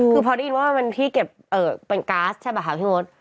คือพอที่รู้ว่าเห็นที่มันกำลังเก็บแก๊สใช่หรือมั้ยคะพี่โมน